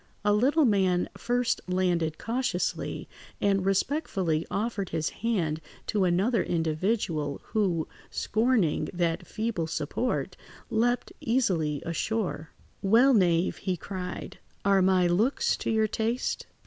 A little man first landed cautiously, and respectfully offered his hand to another individual, who, scorning that feeble support, leapt easily ashore. "Well, knave," he cried, "are my looks to your taste?"